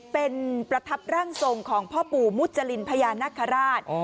เป็นประทับร่างทรงของพ่อปู่มุจรินพญานาคาราช